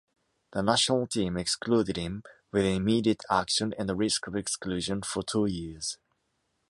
The national team excluded him with immediate action and a risk of exclusion for two years.